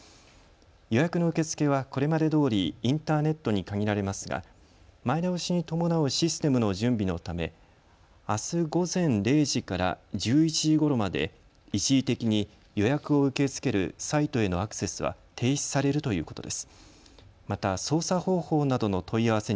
予約の受け付けはこれまでどおりインターネットに限られますが前倒しに伴うシステムの準備のためあす午前０時から１１時ごろまで一時的に予約を受け付けるサイトへのアクセスは停止されるということです。